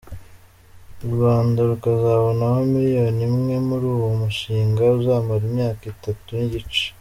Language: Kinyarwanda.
U Rwanda rukazabonaho miliyoni imwe, muri uwo mushinga uzamara imyaka itatu n’igice.